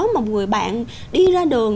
mà một người bạn đi ra đường